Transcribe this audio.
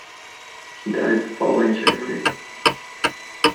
He died the following January.